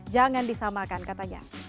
jangan disamakan katanya